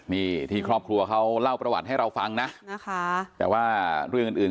ไม่เจอเลยไม่เจอเลยเขาไม่รู้